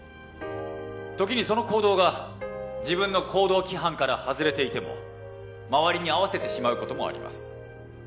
時にその行動が自分の行動規範から外れていても周りに合わせてしまう事もあります。